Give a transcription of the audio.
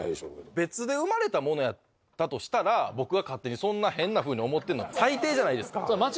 別で生まれたものやったとしたら僕が勝手にそんな変なふうに思ってんの最低じゃないですか。